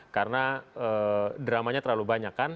karena dramanya terlalu banyak kan